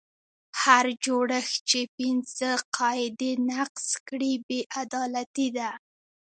هر جوړښت چې پنځه قاعدې نقض کړي بې عدالتي ده.